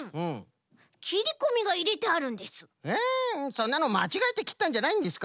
そんなのまちがえてきったんじゃないんですか？